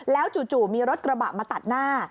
แล้วจู่มีรถกระบะมาตัดหน้า